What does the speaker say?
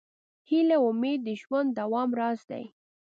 هیله او امید د ژوند د دوام راز دی.